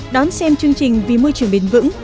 đón xem chương trình vì môi trường bền vững